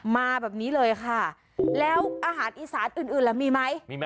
มาแบบนี้เลยค่ะแล้วอาหารอีสานอื่นล่ะมีไหม